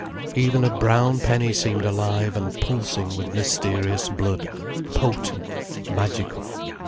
Even a brown penny seemed alive and pulsing with mysterious blood, potent, magical.